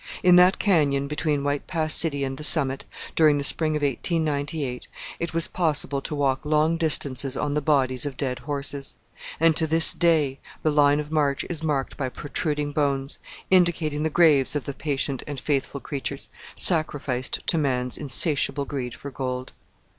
In that canyon, between White Pass City and the summit, during the spring of 1898, it was possible to walk long distances on the bodies of dead horses, and to this day the line of march is marked by protruding bones, indicating the graves of the patient and faithful creatures, sacrificed to man's insatiable greed for gold.